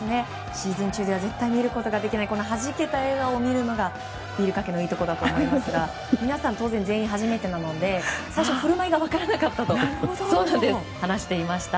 シーズン中では絶対見ることができない、このはじけた笑顔を見るのがビールかけのいいところだと思いますが皆さん、全員初めてなので最初振る舞いが分からなかったと話していました。